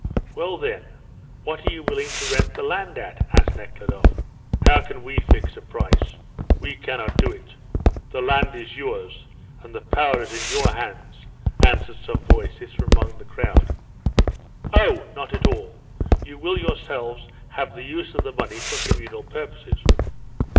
"Well, then, what are you willing to rent the land at?" asked Nekhludoff. "How can we fix a price? We cannot do it. The land is yours, and the power is in your hands," answered some voices from among the crowd. "Oh, not at all. You will yourselves have the use of the money for communal purposes."